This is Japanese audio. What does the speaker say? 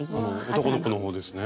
男の子の方ですね。